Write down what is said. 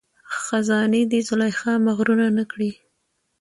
خزانې دي زلیخا مغروره نه کړي